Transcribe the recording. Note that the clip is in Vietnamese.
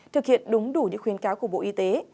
thực hiện đúng đủ những khuyến cáo của bộ y tế